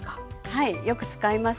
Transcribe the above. はいよく使います。